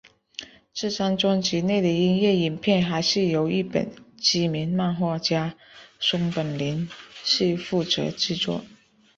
这张专辑内的音乐影片还是由日本知名漫画家松本零士负责制作。